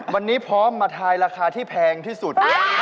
วันนี้พร้อมมาทายราคาที่แพงที่สุด